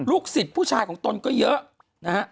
ลูกศิษย์ผู้ชายของตนก็เยอะ